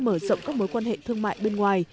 mở rộng các mối quan hệ thương mại bên ngoài